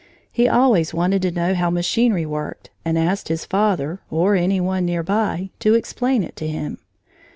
He always wanted to know how machinery worked and asked his father, or any one near by, to explain it to him.